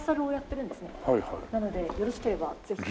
なのでよろしければぜひ。